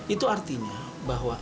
itu artinya bahwa